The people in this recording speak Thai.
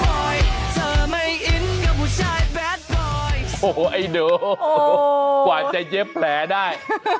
โอ้โหไอ้โด่ขวานใจเย็บแผลได้